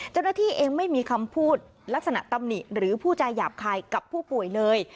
เจ้าหน้าที่เองไม่มีคำพูดลักษณะตำหนิหรือผู้ใจหยาบคายกับผู้ป่วยเลย